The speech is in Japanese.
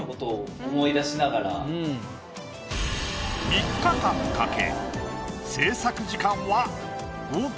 ３日間かけ。